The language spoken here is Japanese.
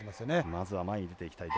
まずは前に出ていきたい。